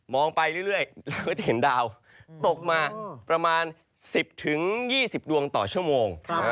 ไปเรื่อยเราก็จะเห็นดาวตกมาประมาณ๑๐๒๐ดวงต่อชั่วโมง